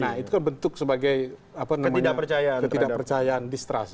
nah itu kan bentuk sebagai ketidakpercayaan distrust